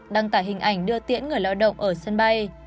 đăng tải hình ảnh đưa tiễn người lao động ở sân bay